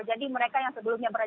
jadi mereka yang sebelumnya beradik